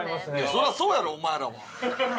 そりゃそうやろお前らは。